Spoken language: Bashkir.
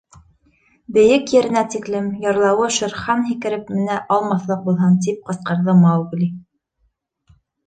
Бейек еренә тиклем, ярлауы Шер Хан һикереп менә алмаҫлыҡ булһын, — тип ҡысҡырҙы Маугли.